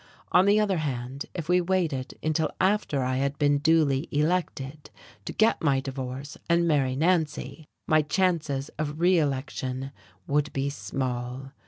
On the other hand, if we waited until after I had been duly elected to get my divorce and marry Nancy my chances of reelection would be small.